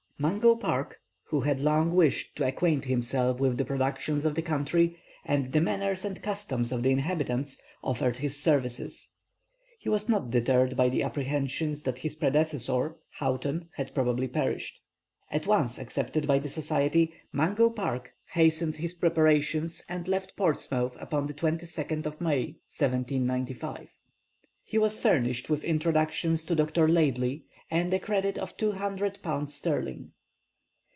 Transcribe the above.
Mungo Park, who had long wished to acquaint himself with the productions of the country, and the manners and customs of the inhabitants, offered his services. He was not deterred by the apprehension that his predecessor, Houghton, had probably perished. [Illustration: Portrait of Mungo Park. (Fac simile of early engraving.)] At once accepted by the Society, Mungo Park hastened his preparations, and left Portsmouth upon the 22nd of May, 1795. He was furnished with introductions to Dr. Laidley, and a credit of two hundred pounds sterling.